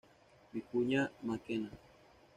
Vicuña Mackenna.